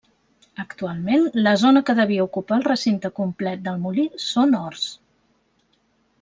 Actualment la zona que devia ocupar el recinte complet del molí són horts.